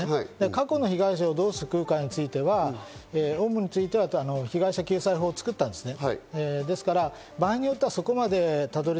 過去の被害者をどう救うかについては、オウムついては被害者救済法を作ったんですね。